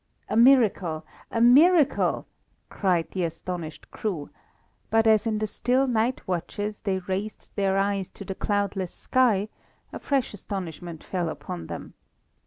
"A miracle! a miracle!" cried the astonished crew; but as in the still night watches they raised their eyes to the cloudless sky, a fresh astonishment fell upon them.